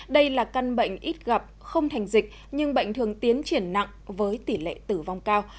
đây là căn bệnh ít gặp không thành dịch nhưng bệnh thường tiến triển nặng với tỷ lệ tử vong cao